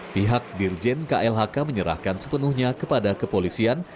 pihak dirjen klhk menyerahkan sepenuhnya kepada kepolisian